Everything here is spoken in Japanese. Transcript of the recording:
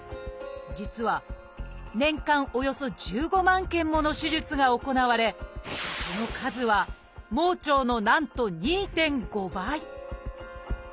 実は年間およそ１５万件もの手術が行われその数は盲腸のなんと２．５倍。